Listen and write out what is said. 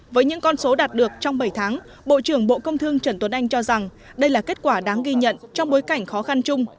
với những con số đạt được trong bảy tháng bộ trưởng bộ công thương trần tuấn anh cho rằng đây là kết quả đáng ghi nhận trong bối cảnh khó khăn chung